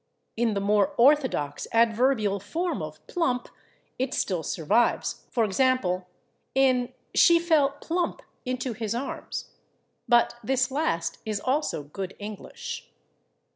In the more orthodox adverbial form of /plump/ it still survives, for example, in "she fell /plump/ into his arms." But this last is also good English.